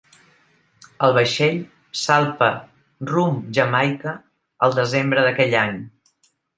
El vaixell salpa rumb Jamaica el desembre d'aquell any.